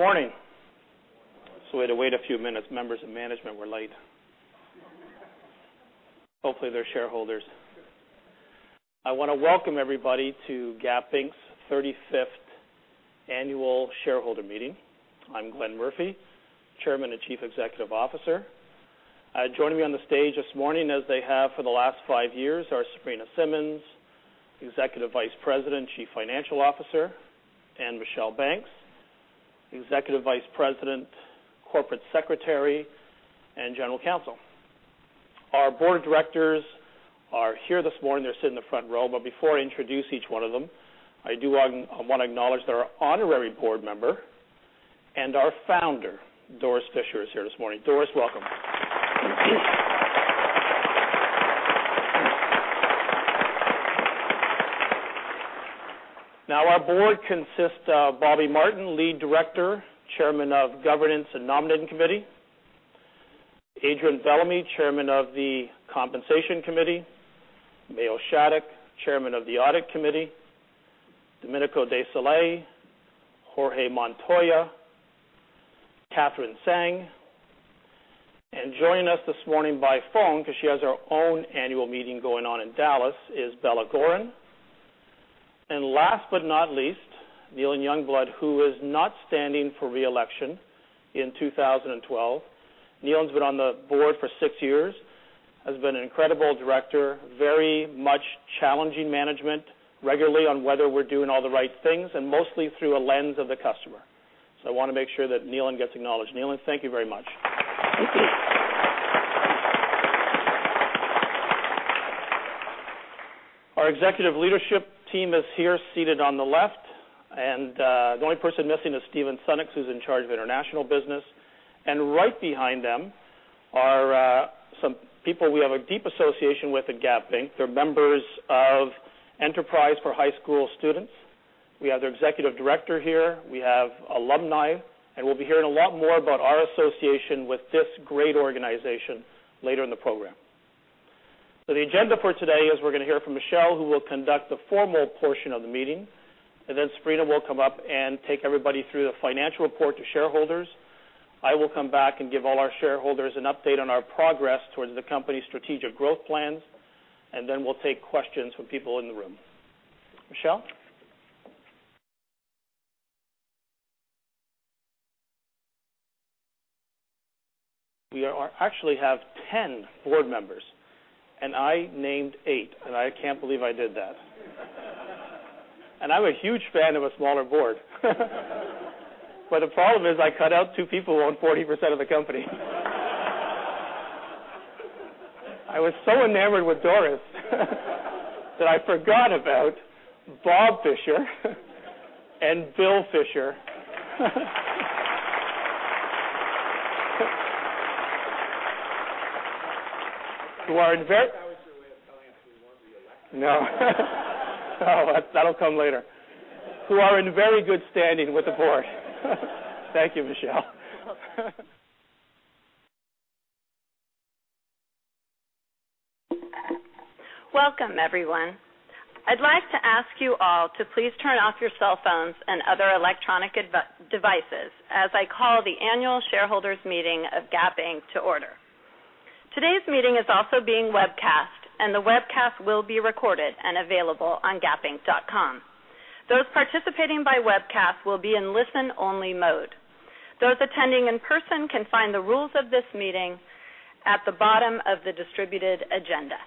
Good morning. We had to wait a few minutes. Members of management were late. Hopefully they're shareholders. I want to welcome everybody to Gap Inc.'s 35th annual shareholder meeting. I'm Glenn Murphy, Chairman and Chief Executive Officer. Joining me on the stage this morning, as they have for the last 5 years, are Sabrina Simmons, Executive Vice President, Chief Financial Officer, and Michelle Banks, Executive Vice President, Corporate Secretary, and General Counsel. Our board of directors are here this morning. They're sitting in the front row. Before I introduce each one of them, I want to acknowledge that our honorary board member and our founder, Doris Fisher, is here this morning. Doris, welcome. Our board consists of Bobby Martin, Lead Director, Chairman of Governance and Nominating Committee. Adrian Bellamy, Chairman of the Compensation Committee. Mayo Shattuck, Chairman of the Audit Committee. Domenico De Sole. Jorge Montoya. Katherine Tsang. Joining us this morning by phone, because she has her own annual meeting going on in Dallas, is Bella Goren. Last but not least, Kneeland Youngblood, who is not standing for re-election in 2012. Kneeland's been on the board for 6 years, has been an incredible director, very much challenging management regularly on whether we're doing all the right things, and mostly through a lens of the customer. I want to make sure that Kneeland gets acknowledged. Kneeland, thank you very much. Our executive leadership team is here seated on the left. The only person missing is Steve Sunnucks, who's in charge of international business. Right behind them are some people we have a deep association with at Gap Inc. They're members of Enterprise for High School Students. We have their executive director here. We have alumni. We'll be hearing a lot more about our association with this great organization later in the program. The agenda for today is we're going to hear from Michelle, who will conduct the formal portion of the meeting. Sabrina will come up and take everybody through the financial report to shareholders. I will come back and give all our shareholders an update on our progress towards the company's strategic growth plans. We'll take questions from people in the room. Michelle? We actually have 10 board members. I named 8. I can't believe I did that. I'm a huge fan of a smaller board. The problem is, I cut out 2 people who own 40% of the company. I was so enamored with Doris that I forgot about Bob Fisher and Bill Fisher. Is that your way of telling us we won't be elected? No. Oh, that'll come later. Who are in very good standing with the board. Thank you, Michelle. Welcome, everyone. I'd like to ask you all to please turn off your cell phones and other electronic devices as I call the annual shareholders meeting of Gap Inc. to order. Today's meeting is also being webcast, and the webcast will be recorded and available on gapinc.com. Those participating by webcast will be in listen-only mode. Those attending in person can find the rules of this meeting at the bottom of the distributed agenda.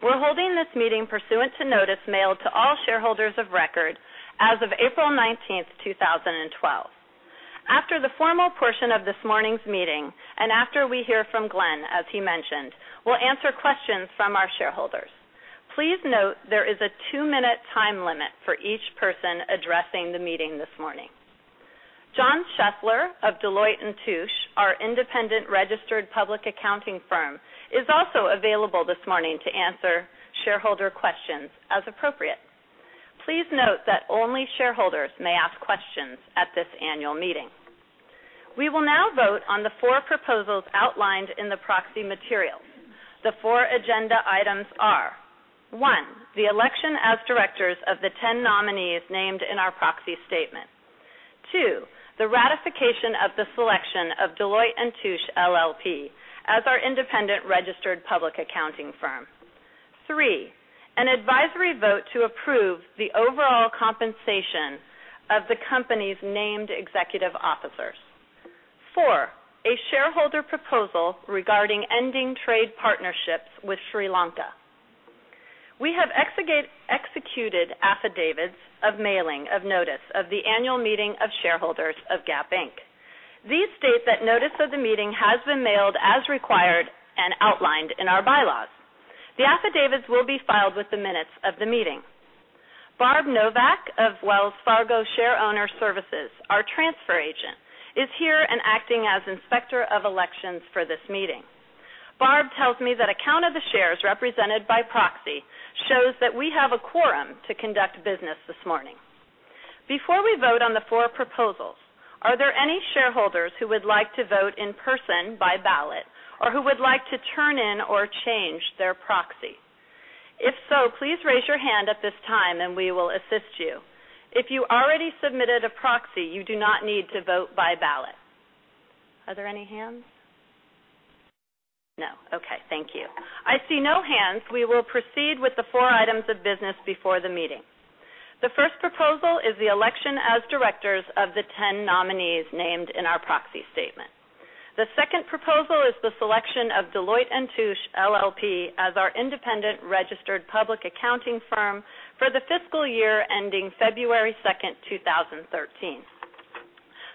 We're holding this meeting pursuant to notice mailed to all shareholders of record as of April 19th, 2012. After the formal portion of this morning's meeting, after we hear from Glenn, as he mentioned, we'll answer questions from our shareholders. Please note there is a two-minute time limit for each person addressing the meeting this morning. John Scheffler of Deloitte & Touche, our independent registered public accounting firm, is also available this morning to answer shareholder questions as appropriate. Please note that only shareholders may ask questions at this annual meeting. We will now vote on the four proposals outlined in the proxy materials. The four agenda items are, one, the election as directors of the 10 nominees named in our proxy statement. Two, the ratification of the selection of Deloitte & Touche LLP as our independent registered public accounting firm. Three, an advisory vote to approve the overall compensation of the company's named executive officers. Four, a shareholder proposal regarding ending trade partnerships with Sri Lanka. We have executed affidavits of mailing of notice of the annual meeting of shareholders of Gap Inc. These state that notice of the meeting has been mailed as required and outlined in our bylaws. The affidavits will be filed with the minutes of the meeting. Barb Novak of Wells Fargo Shareowner Services, our transfer agent, is here and acting as Inspector of Elections for this meeting. Barb tells me that a count of the shares represented by proxy shows that we have a quorum to conduct business this morning. Before we vote on the four proposals, are there any shareholders who would like to vote in person by ballot or who would like to turn in or change their proxy? If so, please raise your hand at this time and we will assist you. If you already submitted a proxy, you do not need to vote by ballot. Are there any hands? No. Okay. Thank you. I see no hands. We will proceed with the four items of business before the meeting. The first proposal is the election as directors of the 10 nominees named in our proxy statement. The second proposal is the selection of Deloitte & Touche LLP as our independent registered public accounting firm for the fiscal year ending February 2nd, 2013.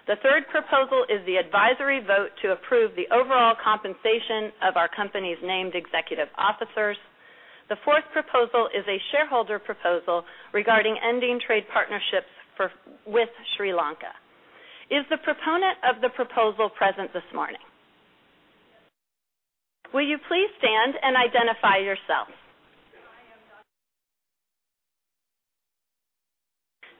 The third proposal is the advisory vote to approve the overall compensation of our company's named executive officers. The fourth proposal is a shareholder proposal regarding ending trade partnerships with Sri Lanka. Is the proponent of the proposal present this morning? Will you please stand and identify yourself? I am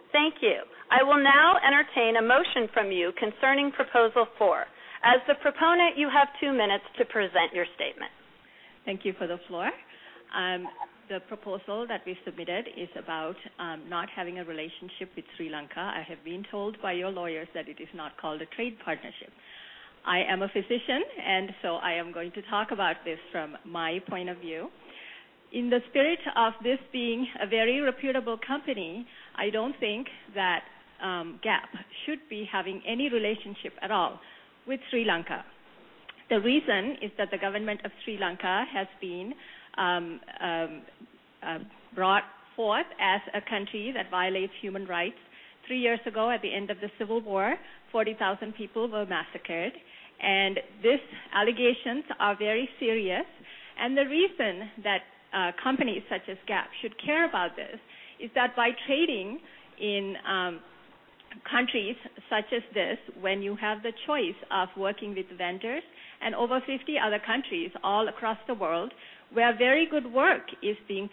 the- Thank you. I will now entertain a motion from you concerning proposal four. As the proponent, you have two minutes to present your statement. Thank you for the floor. The proposal that we submitted is about not having a relationship with Sri Lanka. I have been told by your lawyers that it is not called a trade partnership. I am a physician, and so I am going to talk about this from my point of view. In the spirit of this being a very reputable company, I don't think that Gap should be having any relationship at all with Sri Lanka. The reason is that the government of Sri Lanka has been brought forth as a country that violates human rights. Three years ago, at the end of the civil war, 40,000 people were massacred, and these allegations are very serious. The reason that companies such as Gap should care about this is that by trading in countries such as this, when you have the choice of working with vendors in over 50 other countries all across the world where very good work is being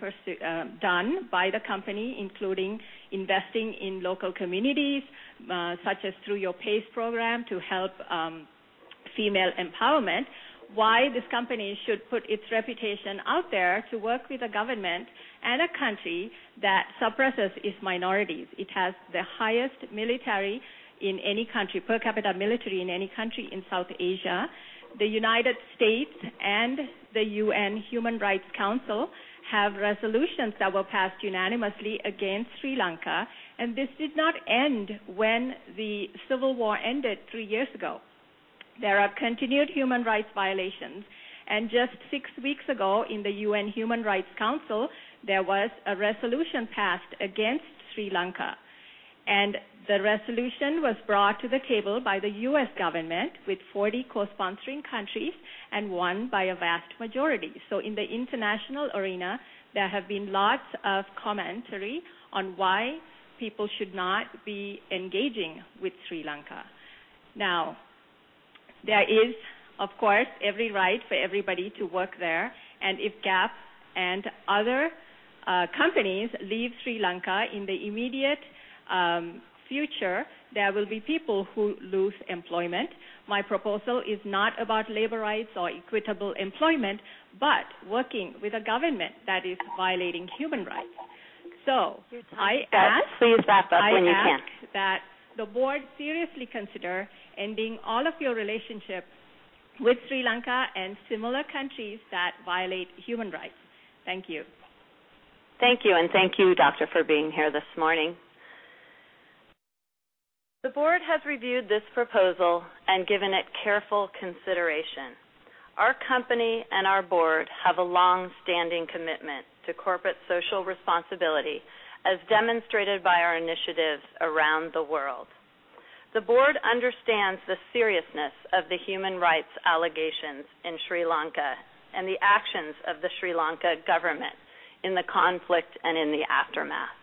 done by the company, including investing in local communities, such as through your PACE program to help female empowerment. Why this company should put its reputation out there to work with a government and a country that suppresses its minorities. It has the highest military in any country, per capita military in any country in South Asia. The United States and the UN Human Rights Council have resolutions that were passed unanimously against Sri Lanka, and this did not end when the civil war ended three years ago. There are continued human rights violations, and just six weeks ago, in the UN Human Rights Council, there was a resolution passed against Sri Lanka, and the resolution was brought to the table by the U.S. government with 40 co-sponsoring countries and won by a vast majority. In the international arena, there have been lots of commentary on why people should not be engaging with Sri Lanka. There is, of course, every right for everybody to work there, and if Gap and other companies leave Sri Lanka, in the immediate future, there will be people who lose employment. My proposal is not about labor rights or equitable employment, but working with a government that is violating human rights. I ask- Please wrap up when you can. I ask that the board seriously consider ending all of your relationships with Sri Lanka and similar countries that violate human rights. Thank you. Thank you, and thank you, Doctor, for being here this morning. The board has reviewed this proposal and given it careful consideration. Our company and our board have a long-standing commitment to corporate social responsibility, as demonstrated by our initiatives around the world. The board understands the seriousness of the human rights allegations in Sri Lanka and the actions of the Sri Lankan government in the conflict and in the aftermath.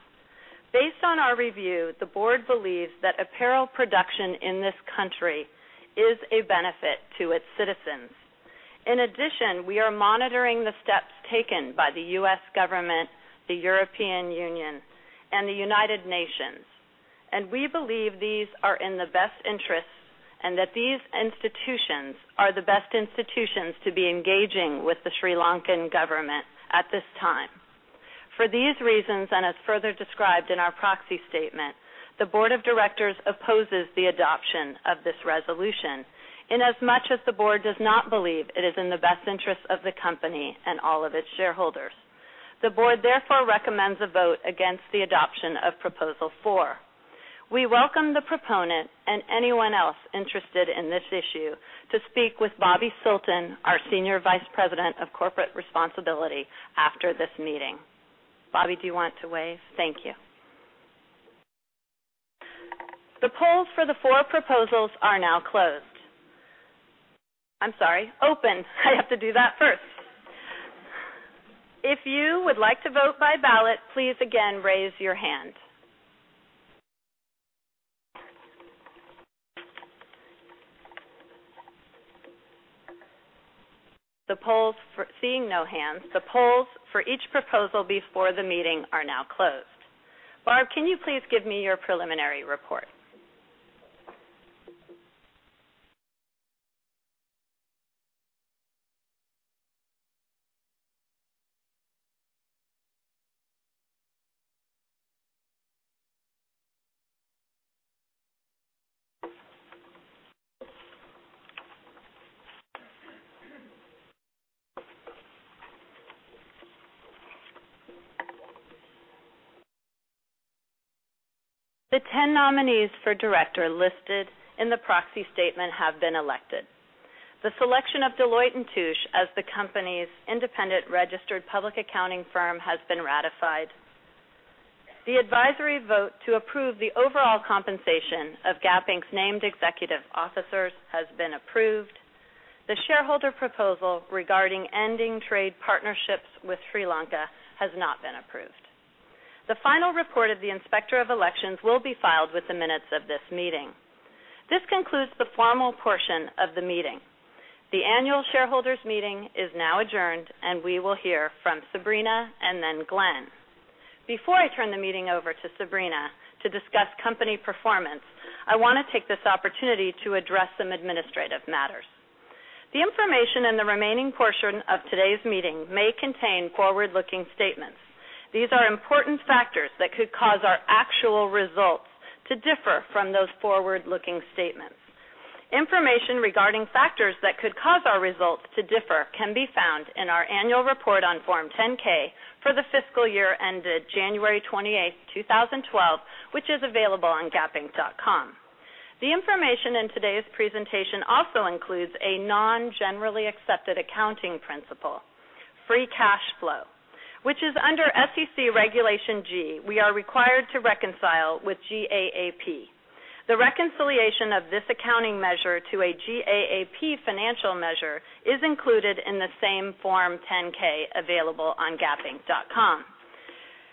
Based on our review, the board believes that apparel production in this country is a benefit to its citizens. In addition, we are monitoring the steps taken by the U.S. government, the European Union, and the United Nations, and we believe these are in the best interests and that these institutions are the best institutions to be engaging with the Sri Lankan government at this time. For these reasons, and as further described in our proxy statement, the board of directors opposes the adoption of this resolution in as much as the board does not believe it is in the best interest of the company and all of its shareholders. The board therefore recommends a vote against the adoption of proposal four. We welcome the proponent and anyone else interested in this issue to speak with Bobbi Silten, our Senior Vice President of Corporate Responsibility, after this meeting. Bobbi, do you want to wave? Thank you. The polls for the four proposals are now closed. I'm sorry, open. I have to do that first. If you would like to vote by ballot, please again raise your hand. Seeing no hands, the polls for each proposal before the meeting are now closed. Barb, can you please give me your preliminary report? The 10 nominees for director listed in the proxy statement have been elected. The selection of Deloitte & Touche as the company's independent registered public accounting firm has been ratified. The advisory vote to approve the overall compensation of Gap Inc.'s named executive officers has been approved. The shareholder proposal regarding ending trade partnerships with Sri Lanka has not been approved. The final report of the Inspector of Elections will be filed with the minutes of this meeting. This concludes the formal portion of the meeting. The annual shareholders meeting is now adjourned, and we will hear from Sabrina and then Glenn. Before I turn the meeting over to Sabrina to discuss company performance, I want to take this opportunity to address some administrative matters. The information in the remaining portion of today's meeting may contain forward-looking statements. These are important factors that could cause our actual results to differ from those forward-looking statements. Information regarding factors that could cause our results to differ can be found in our annual report on Form 10-K for the fiscal year ended January 28, 2012, which is available on gapinc.com. The information in today's presentation also includes a non-generally accepted accounting principle, free cash flow, which is under SEC Regulation G, we are required to reconcile with GAAP. The reconciliation of this accounting measure to a GAAP financial measure is included in the same Form 10-K available on gapinc.com.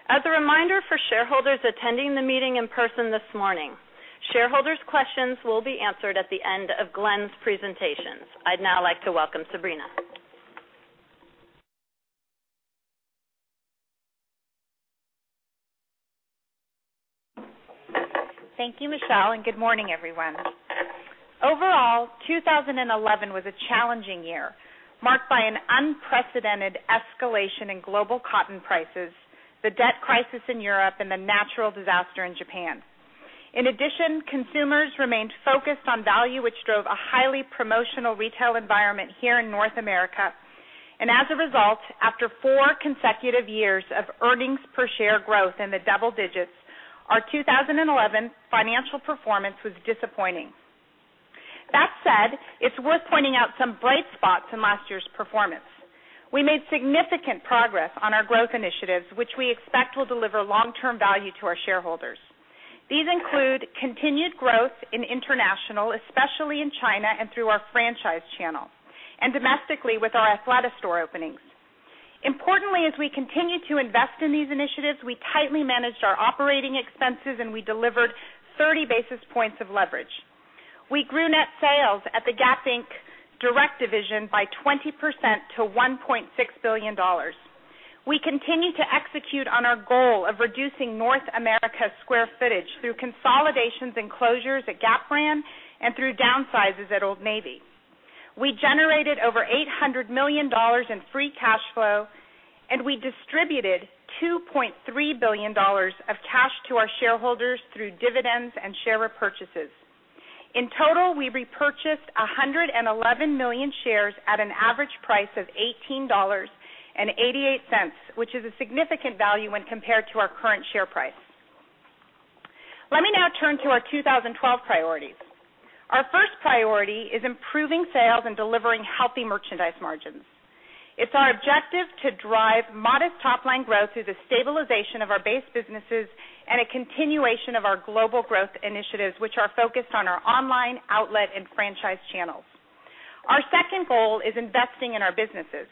As a reminder for shareholders attending the meeting in person this morning, shareholders' questions will be answered at the end of Glenn's presentations. I'd now like to welcome Sabrina. Thank you, Michelle, and good morning, everyone. Overall, 2011 was a challenging year, marked by an unprecedented escalation in global cotton prices, the debt crisis in Europe, and the natural disaster in Japan. In addition, consumers remained focused on value, which drove a highly promotional retail environment here in North America. As a result, after four consecutive years of earnings per share growth in the double digits, our 2011 financial performance was disappointing. That said, it's worth pointing out some bright spots in last year's performance. We made significant progress on our growth initiatives, which we expect will deliver long-term value to our shareholders. These include continued growth in international, especially in China and through our franchise channel, and domestically with our Athleta store openings. Importantly, as we continue to invest in these initiatives, we tightly managed our operating expenses, and we delivered 30 basis points of leverage. We grew net sales at the Gap Inc. Direct division by 20% to $1.6 billion. We continue to execute on our goal of reducing North America's square footage through consolidations and closures at Gap brand and through downsizes at Old Navy. We generated over $800 million in free cash flow, and we distributed $2.3 billion of cash to our shareholders through dividends and share repurchases. In total, we repurchased 111 million shares at an average price of $18.88, which is a significant value when compared to our current share price. Let me now turn to our 2012 priorities. Our first priority is improving sales and delivering healthy merchandise margins. It's our objective to drive modest top-line growth through the stabilization of our base businesses and a continuation of our global growth initiatives, which are focused on our online, outlet, and franchise channels. Our second goal is investing in our businesses.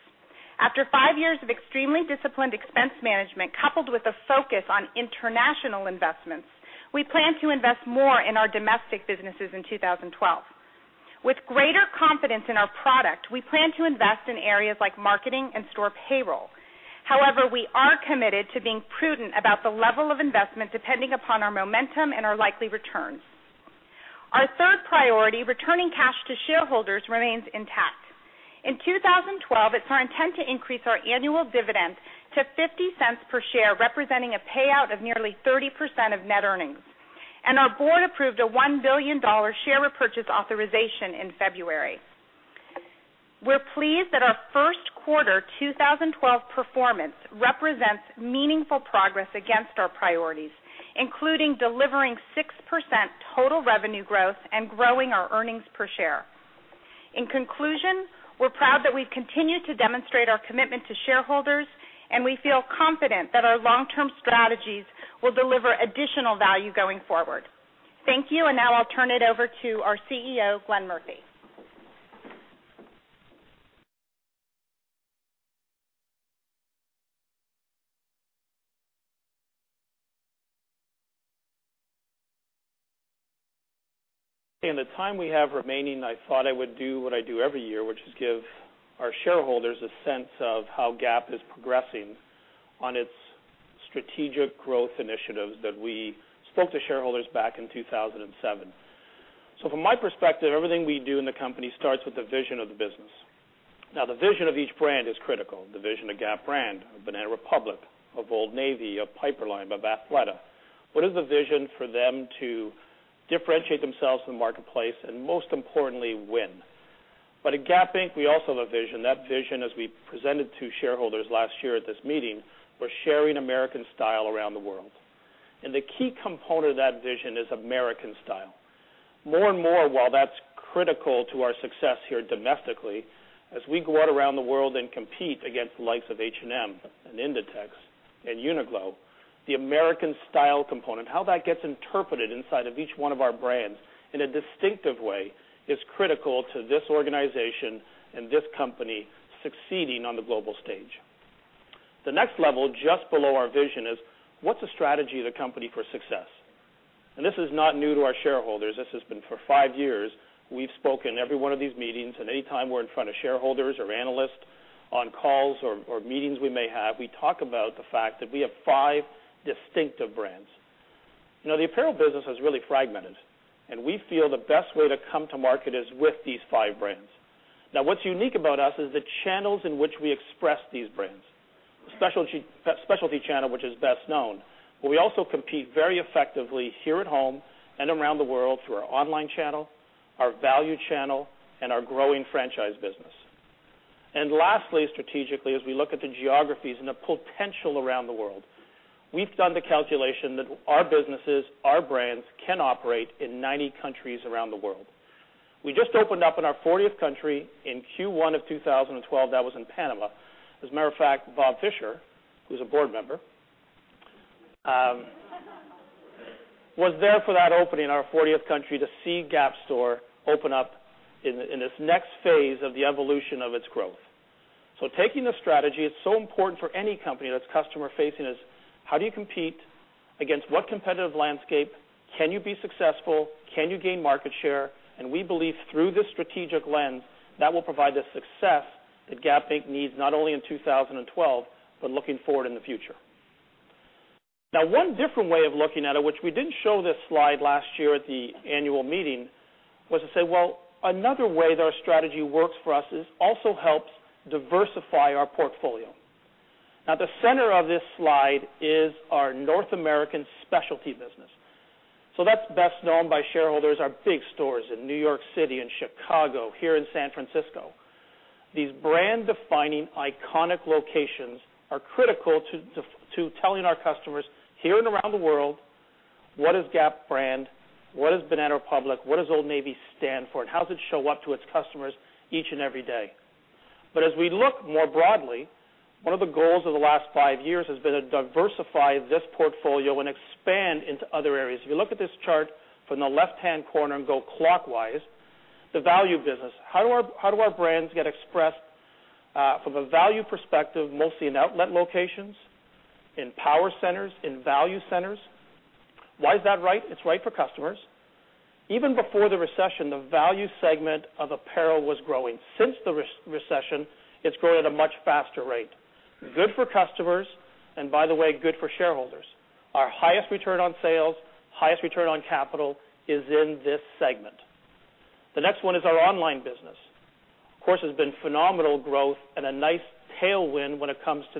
After 5 years of extremely disciplined expense management, coupled with a focus on international investments, we plan to invest more in our domestic businesses in 2012. With greater confidence in our product, we plan to invest in areas like marketing and store payroll. However, we are committed to being prudent about the level of investment, depending upon our momentum and our likely returns. Our third priority, returning cash to shareholders, remains intact. In 2012, it's our intent to increase our annual dividend to $0.50 per share, representing a payout of nearly 30% of net earnings. Our board approved a $1 billion share repurchase authorization in February. We're pleased that our first quarter 2012 performance represents meaningful progress against our priorities, including delivering 6% total revenue growth and growing our earnings per share. In conclusion, we're proud that we've continued to demonstrate our commitment to shareholders, and we feel confident that our long-term strategies will deliver additional value going forward. Thank you. Now I'll turn it over to our CEO, Glenn Murphy. In the time we have remaining, I thought I would do what I do every year, which is give our shareholders a sense of how Gap is progressing on its strategic growth initiatives that we spoke to shareholders back in 2007. From my perspective, everything we do in the company starts with the vision of the business. The vision of each brand is critical. The vision of Gap brand, of Banana Republic, of Old Navy, of Piperlime, of Athleta. What is the vision for them to differentiate themselves from the marketplace, and most importantly, win? At Gap Inc., we also have a vision. That vision, as we presented to shareholders last year at this meeting, we're sharing American style around the world. The key component of that vision is American style. More and more, while that's critical to our success here domestically, as we go out around the world and compete against the likes of H&M and Inditex and Uniqlo, the American style component, how that gets interpreted inside of each one of our brands in a distinctive way, is critical to this organization and this company succeeding on the global stage. The next level, just below our vision, is what's the strategy of the company for success? This is not new to our shareholders. This has been for five years. We've spoken every one of these meetings, and any time we're in front of shareholders or analysts on calls or meetings we may have, we talk about the fact that we have five distinctive brands. The apparel business is really fragmented, and we feel the best way to come to market is with these five brands. What's unique about us is the channels in which we express these brands. The specialty channel, which is best known. We also compete very effectively here at home and around the world through our online channel, our value channel, and our growing franchise business. Lastly, strategically, as we look at the geographies and the potential around the world, we've done the calculation that our businesses, our brands, can operate in 90 countries around the world. We just opened up in our 40th country in Q1 of 2012. That was in Panama. As a matter of fact, Bob Fisher, who's a board member, was there for that opening in our 40th country to see Gap store open up in this next phase of the evolution of its growth. Taking the strategy, it's so important for any company that's customer facing is how do you compete against what competitive landscape? Can you be successful? Can you gain market share? We believe through this strategic lens, that will provide the success that Gap Inc. needs, not only in 2012, but looking forward in the future. One different way of looking at it, which we didn't show this slide last year at the annual meeting, was to say, well, another way that our strategy works for us is also helps diversify our portfolio. The center of this slide is our North American specialty business. That's best known by shareholders, our big stores in New York City, in Chicago, here in San Francisco. These brand defining iconic locations are critical to telling our customers here and around the world what is Gap brand, what is Banana Republic, what does Old Navy stand for, and how does it show up to its customers each and every day? As we look more broadly, one of the goals of the last five years has been to diversify this portfolio and expand into other areas. If you look at this chart from the left-hand corner and go clockwise, the value business. How do our brands get expressed from a value perspective, mostly in outlet locations, in power centers, in value centers? Why is that right? It's right for customers. Even before the recession, the value segment of apparel was growing. Since the recession, it's grown at a much faster rate. Good for customers, by the way, good for shareholders. Our highest return on sales, highest return on capital is in this segment. The next one is our online business. Of course, there's been phenomenal growth and a nice tailwind when it comes to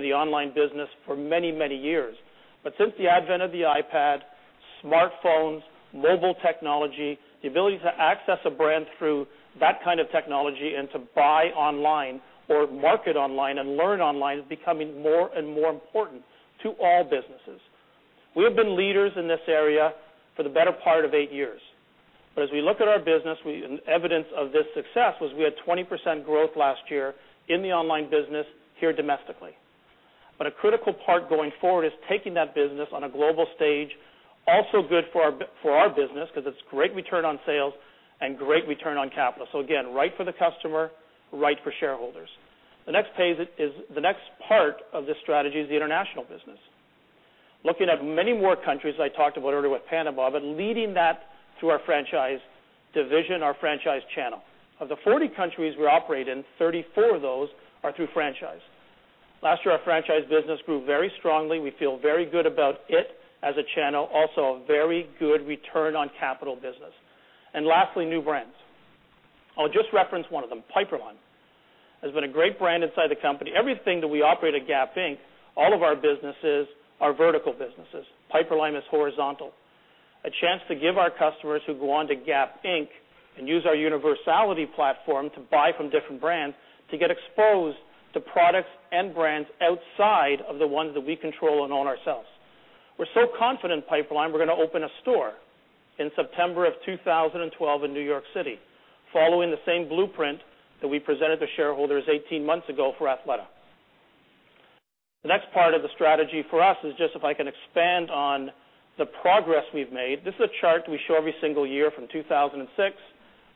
the online business for many, many years. Since the advent of the iPad, smartphones, mobile technology, the ability to access a brand through that kind of technology and to buy online or market online and learn online is becoming more and more important to all businesses. We have been leaders in this area for the better part of eight years. As we look at our business, evidence of this success was we had 20% growth last year in the online business here domestically. A critical part going forward is taking that business on a global stage, also good for our business because it's great return on sales and great return on capital. Again, right for the customer, right for shareholders. The next part of this strategy is the international business. Looking at many more countries, I talked about earlier with Panama, leading that through our franchise division, our franchise channel. Of the 40 countries we operate in, 34 of those are through franchise. Last year, our franchise business grew very strongly. We feel very good about it as a channel. Also, a very good return on capital business. Lastly, new brands. I'll just reference one of them. Piperlime has been a great brand inside the company. Everything that we operate at Gap Inc., all of our businesses are vertical businesses. Piperlime is horizontal. A chance to give our customers who go onto gapinc.com and use our universality platform to buy from different brands to get exposed to products and brands outside of the ones that we control and own ourselves. We're so confident in Piperlime, we're going to open a store in September of 2012 in New York City, following the same blueprint that we presented to shareholders 18 months ago for Athleta. The next part of the strategy for us is just if I can expand on the progress we've made. This is a chart we show every single year from 2006,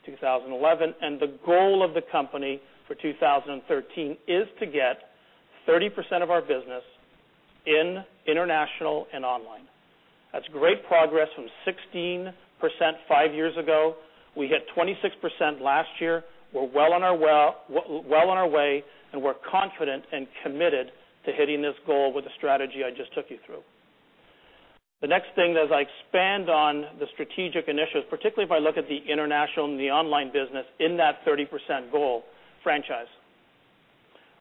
2011, the goal of the company for 2013 is to get 30% of our business in international and online. That's great progress from 16% five years ago. We hit 26% last year. We're well on our way, and we're confident and committed to hitting this goal with the strategy I just took you through. The next thing as I expand on the strategic initiatives, particularly if I look at the international and the online business in that 30% goal, franchise.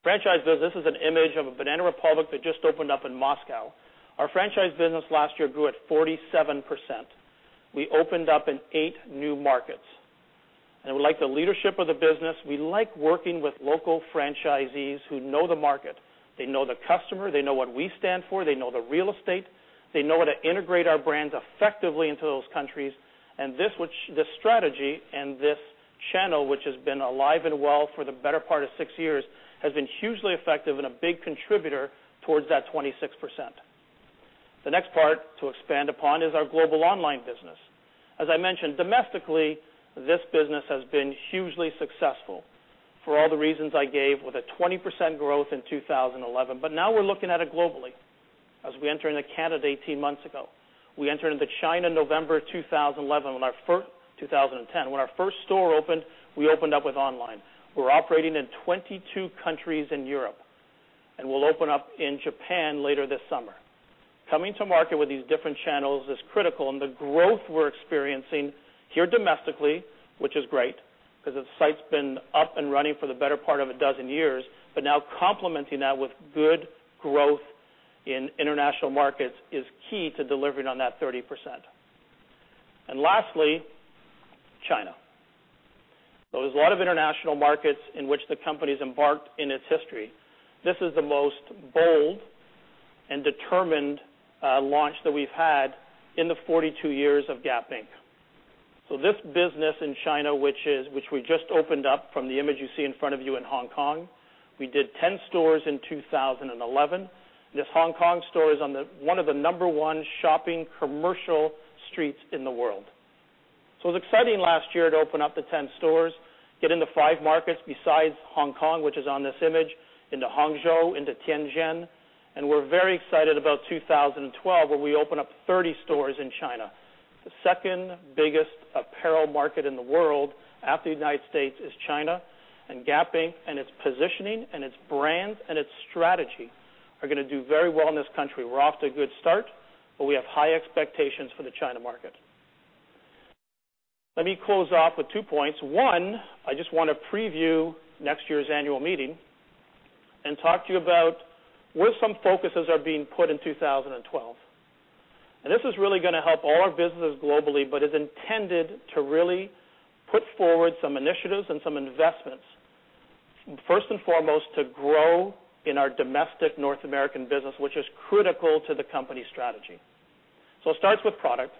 Franchise business, this is an image of a Banana Republic that just opened up in Moscow. Our franchise business last year grew at 47%. We opened up in eight new markets. We like the leadership of the business. We like working with local franchisees who know the market. They know the customer. They know what we stand for. They know the real estate. They know how to integrate our brands effectively into those countries. This strategy and this channel, which has been alive and well for the better part of six years, has been hugely effective and a big contributor towards that 26%. The next part to expand upon is our global online business. As I mentioned, domestically, this business has been hugely successful for all the reasons I gave, with a 20% growth in 2011. Now we're looking at it globally as we entered into Canada 18 months ago. We entered into China in November 2010. When our first store opened, we opened up with online. We're operating in 22 countries in Europe, and we'll open up in Japan later this summer. Coming to market with these different channels is critical, and the growth we're experiencing here domestically, which is great because the site's been up and running for the better part of a dozen years. Now complementing that with good growth in international markets is key to delivering on that 30%. Lastly, China. There was a lot of international markets in which the company's embarked in its history. This is the most bold and determined launch that we've had in the 42 years of Gap Inc. This business in China, which we just opened up from the image you see in front of you in Hong Kong, we did 10 stores in 2011. This Hong Kong store is on one of the number one shopping commercial streets in the world. It was exciting last year to open up the 10 stores, get into five markets besides Hong Kong, which is on this image, into Hangzhou, into Tianjin. We're very excited about 2012, where we open up 30 stores in China. The second biggest apparel market in the world after the U.S. is China. Gap Inc. and its positioning and its brands and its strategy are going to do very well in this country. We're off to a good start. We have high expectations for the China market. Let me close off with two points. One, I just want to preview next year's annual meeting and talk to you about where some focuses are being put in 2012. This is really going to help all our businesses globally but is intended to really put forward some initiatives and some investments, first and foremost, to grow in our domestic North American business, which is critical to the company strategy. It starts with product.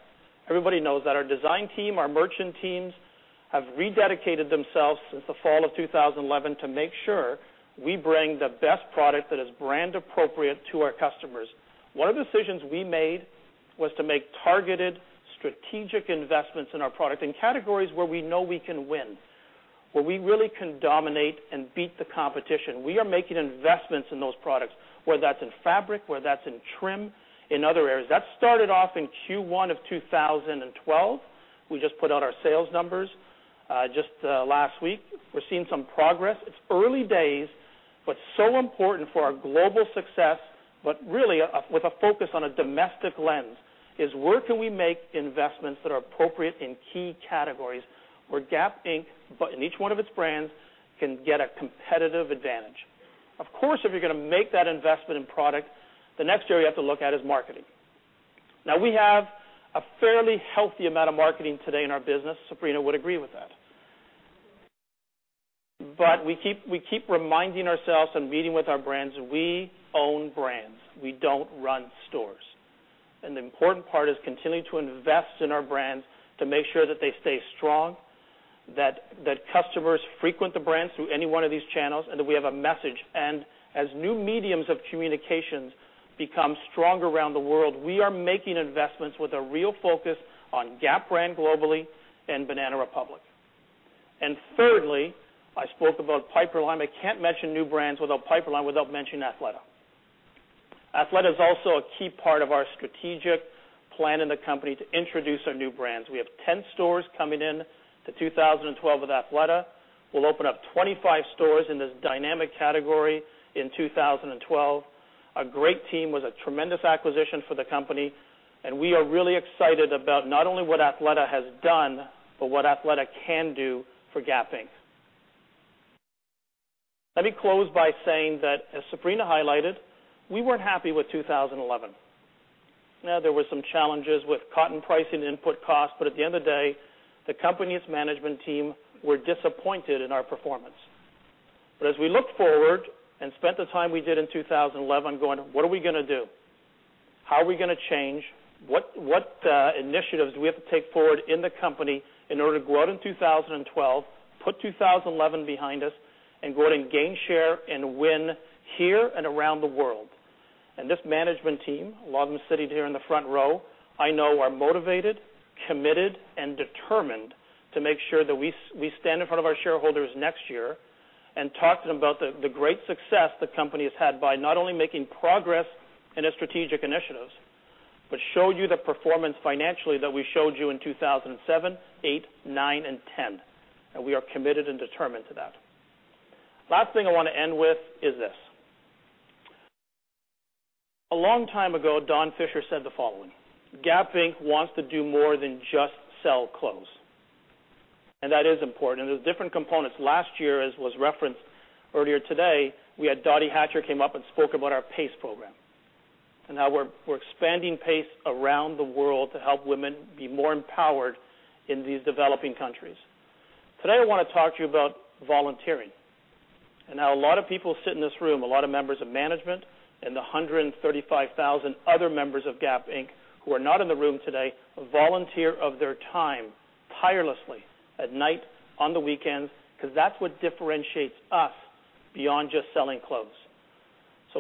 Everybody knows that our design team, our merchant teams, have rededicated themselves since the fall of 2011 to make sure we bring the best product that is brand appropriate to our customers. One of the decisions we made was to make targeted strategic investments in our product in categories where we know we can win, where we really can dominate and beat the competition. We are making investments in those products, whether that's in fabric, whether that's in trim, in other areas. That started off in Q1 of 2012. We just put out our sales numbers just last week. We're seeing some progress. It's early days, but so important for our global success, but really with a focus on a domestic lens, is where can we make investments that are appropriate in key categories where Gap Inc. in each one of its brands can get a competitive advantage. Of course, if you're going to make that investment in product, the next area you have to look at is marketing. We have a fairly healthy amount of marketing today in our business. Sabrina would agree with that. We keep reminding ourselves and meeting with our brands, we own brands. We don't run stores. The important part is continuing to invest in our brands to make sure that they stay strong, that customers frequent the brands through any one of these channels, and that we have a message. As new mediums of communications become stronger around the world, we are making investments with a real focus on Gap brand globally and Banana Republic. Thirdly, I spoke about pipeline. I can't mention new brands without pipeline, without mentioning Athleta. Athleta is also a key part of our strategic plan in the company to introduce our new brands. We have 10 stores coming in to 2012 with Athleta. We'll open up 25 stores in this dynamic category in 2012. A great team with a tremendous acquisition for the company, we are really excited about not only what Athleta has done, but what Athleta can do for Gap Inc. Let me close by saying that, as Sabrina highlighted, we weren't happy with 2011. There were some challenges with cotton pricing input costs, but at the end of the day, the company's management team were disappointed in our performance. As we look forward and spent the time we did in 2011 going, "What are we going to do? How are we going to change? What initiatives do we have to take forward in the company in order to grow out in 2012, put 2011 behind us, and go out and gain share and win here and around the world?" This management team, a lot of them sitting here in the front row, I know are motivated, committed, and determined to make sure that we stand in front of our shareholders next year and talk to them about the great success the company has had by not only making progress in its strategic initiatives, but show you the performance financially that we showed you in 2007, 2008, 2009, and 2010. We are committed and determined to that. Last thing I want to end with is this. A long time ago, Don Fisher said the following: "Gap Inc. wants to do more than just sell clothes." That is important. There's different components. Last year, as was referenced earlier today, we had Dotti Hatcher came up and spoke about our PACE program, and how we're expanding PACE around the world to help women be more empowered in these developing countries. Today, I want to talk to you about volunteering, and how a lot of people sit in this room, a lot of members of management, and the 135,000 other members of Gap Inc., who are not in the room today, volunteer of their time tirelessly at night, on the weekends, because that's what differentiates us beyond just selling clothes.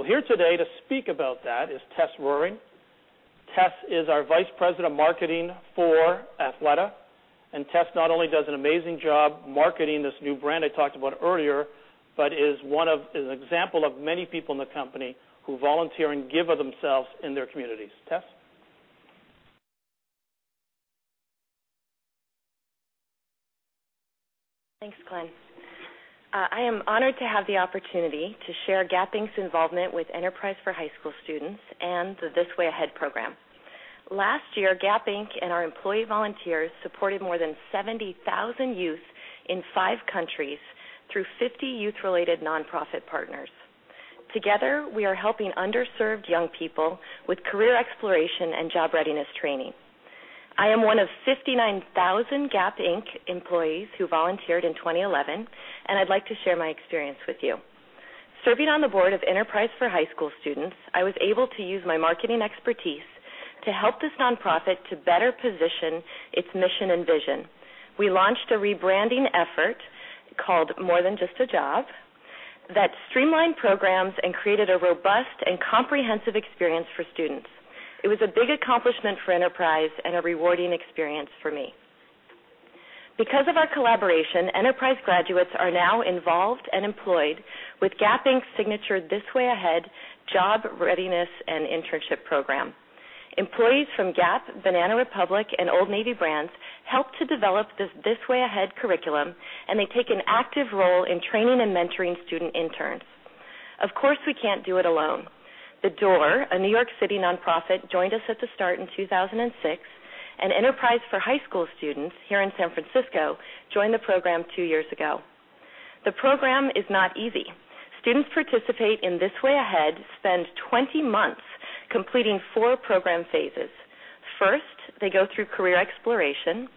Here today to speak about that is Tess Roering. Tess is our Vice President of Marketing for Athleta, Tess not only does an amazing job marketing this new brand I talked about earlier, but is an example of many people in the company who volunteer and give of themselves in their communities. Tess? Thanks, Glenn. I am honored to have the opportunity to share Gap Inc.'s involvement with Enterprise for High School Students and the This Way Ahead program. Last year, Gap Inc. and our employee volunteers supported more than 70,000 youth in five countries through 50 youth-related nonprofit partners. Together, we are helping underserved young people with career exploration and job readiness training. I am one of 59,000 Gap Inc. employees who volunteered in 2011, and I'd like to share my experience with you. Serving on the board of Enterprise for High School Students, I was able to use my marketing expertise to help this nonprofit to better position its mission and vision. We launched a rebranding effort called More Than Just a Job that streamlined programs and created a robust and comprehensive experience for students. It was a big accomplishment for Enterprise and a rewarding experience for me. Because of our collaboration, Enterprise graduates are now involved and employed with Gap Inc.'s signature This Way Ahead job readiness and internship program. Employees from Gap, Banana Republic, and Old Navy brands helped to develop the This Way Ahead curriculum, and they take an active role in training and mentoring student interns. Of course, we can't do it alone. The Door, a New York City nonprofit, joined us at the start in 2006, and Enterprise for High School Students here in San Francisco joined the program two years ago. The program is not easy. Students participate in This Way Ahead spend 20 months completing four program phases. First, they go through career exploration.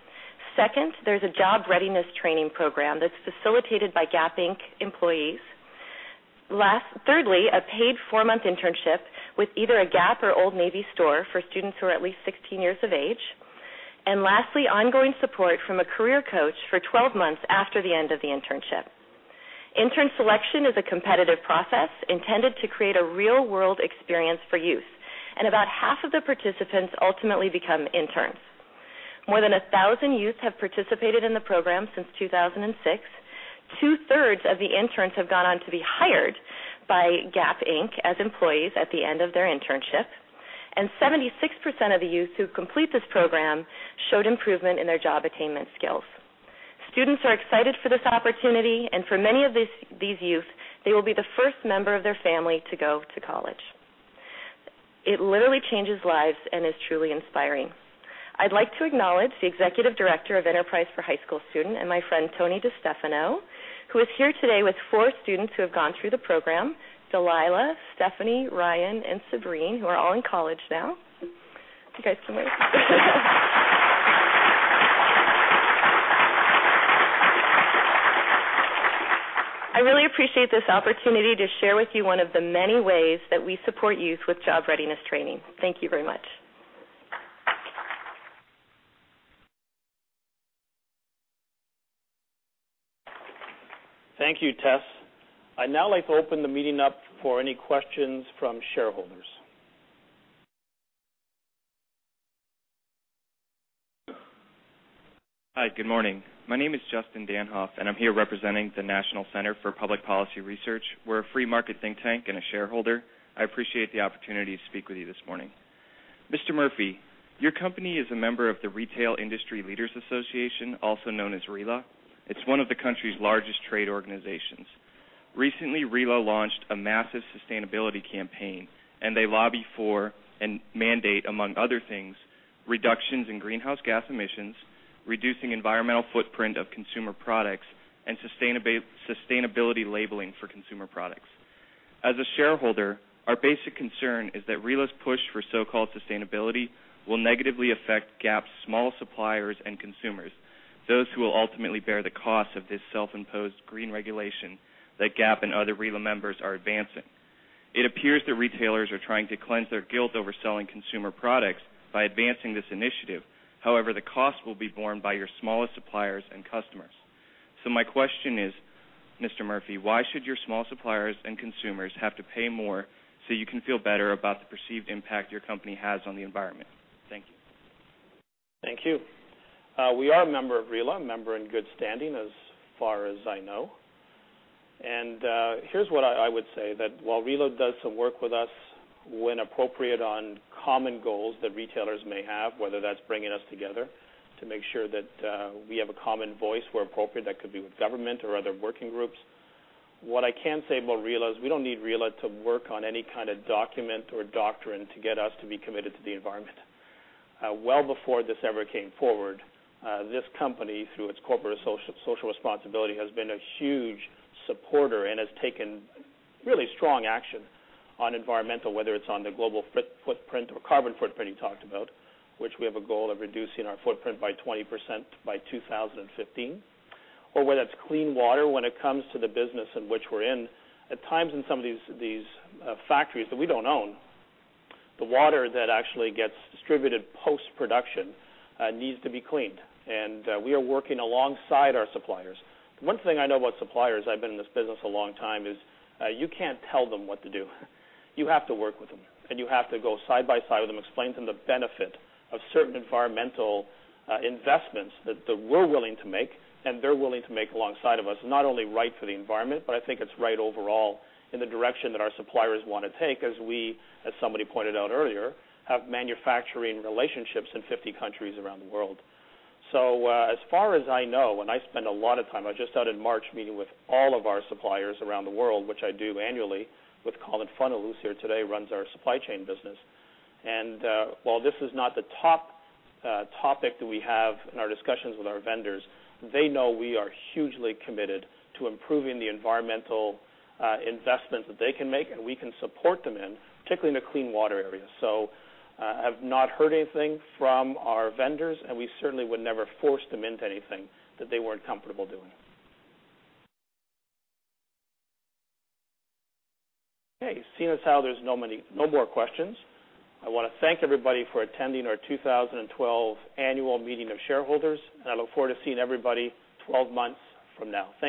Second, there's a job readiness training program that's facilitated by Gap Inc. employees. Thirdly, a paid four-month internship with either a Gap or Old Navy store for students who are at least 16 years of age. Lastly, ongoing support from a career coach for 12 months after the end of the internship. Intern selection is a competitive process intended to create a real-world experience for youth, and about half of the participants ultimately become interns. More than 1,000 youth have participated in the program since 2006. Two-thirds of the interns have gone on to be hired by Gap Inc. as employees at the end of their internship, and 76% of the youth who complete this program showed improvement in their job attainment skills. Students are excited for this opportunity, and for many of these youth, they will be the first member of their family to go to college. It literally changes lives and is truly inspiring. I'd like to acknowledge the Executive Director of Enterprise for High School Students and my friend, Tony DiStefano, who is here today with four students who have gone through the program, Delilah, Stephanie, Ryan, and Sabrine, who are all in college now. You guys can wave. I really appreciate this opportunity to share with you one of the many ways that we support youth with job readiness training. Thank you very much. Thank you, Tess. I'd now like to open the meeting up for any questions from shareholders. Hi, good morning. My name is Justin Danhof, and I'm here representing the National Center for Public Policy Research. We're a free market think tank and a shareholder. I appreciate the opportunity to speak with you this morning. Mr. Murphy, your company is a member of the Retail Industry Leaders Association, also known as RILA. It's one of the country's largest trade organizations. Recently, RILA launched a massive sustainability campaign, and they lobby for and mandate, among other things, reductions in greenhouse gas emissions, reducing environmental footprint of consumer products, and sustainability labeling for consumer products. As a shareholder, our basic concern is that RILA's push for so-called sustainability will negatively affect Gap's small suppliers and consumers, those who will ultimately bear the cost of this self-imposed green regulation that Gap and other RILA members are advancing. It appears that retailers are trying to cleanse their guilt over selling consumer products by advancing this initiative. However, the cost will be borne by your smallest suppliers and customers. My question is, Mr. Murphy, why should your small suppliers and consumers have to pay more so you can feel better about the perceived impact your company has on the environment? Thank you. Thank you. We are a member of RILA, a member in good standing as far as I know. Here's what I would say, that while RILA does some work with us when appropriate on common goals that retailers may have, whether that's bringing us together to make sure that we have a common voice where appropriate, that could be with government or other working groups. What I can say about RILA is we don't need RILA to work on any kind of document or doctrine to get us to be committed to the environment. Well before this ever came forward, this company, through its corporate social responsibility, has been a huge supporter and has taken really strong action on environmental, whether it's on the global footprint or carbon footprint you talked about, which we have a goal of reducing our footprint by 20% by 2015, or whether it's clean water when it comes to the business in which we're in. At times in some of these factories that we don't own, the water that actually gets distributed post-production needs to be cleaned, and we are working alongside our suppliers. One thing I know about suppliers, I've been in this business a long time, is you can't tell them what to do. You have to work with them, you have to go side by side with them, explain to them the benefit of certain environmental investments that we're willing to make and they're willing to make alongside of us. Not only right for the environment, I think it's right overall in the direction that our suppliers want to take as we, as somebody pointed out earlier, have manufacturing relationships in 50 countries around the world. As far as I know, I spend a lot of time, I just started March meeting with all of our suppliers around the world, which I do annually with Colin Funnell who's here today, runs our supply chain business. While this is not the top topic that we have in our discussions with our vendors, they know we are hugely committed to improving the environmental investments that they can make and we can support them in, particularly in the clean water area. I have not heard anything from our vendors, we certainly would never force them into anything that they weren't comfortable doing. Okay, seeing as how there's no more questions, I want to thank everybody for attending our 2012 annual meeting of shareholders, I look forward to seeing everybody 12 months from now. Thank you.